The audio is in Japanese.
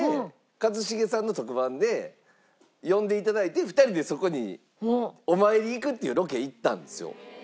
一茂さんの特番で呼んでいただいて２人でそこにお参りに行くっていうロケ行ったんですよ。